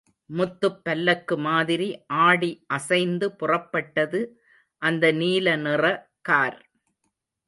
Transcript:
முத்துப் பல்லக்கு மாதிரி ஆடி அசைந்து புறப்பட்டது அந்த நீலநிற கார்.